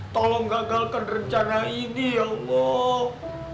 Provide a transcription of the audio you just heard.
tolong gagalkan rencana ini ya allah